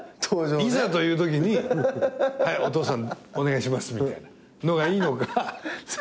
いざというときにはいお父さんお願いしますみたいなのがいいのかっていうのがね。